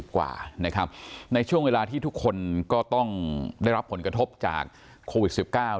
ในช่วงเวลาที่ทุกคนก็ต้องได้รับผลกระทบจากโควิด๑๙